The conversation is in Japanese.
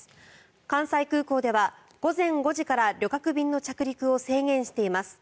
関西空港では午前５時から旅客便の着陸を制限しています。